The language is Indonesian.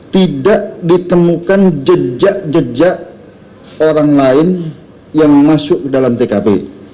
tidak ditemukan jejak jejak orang lain yang masuk ke dalam tkp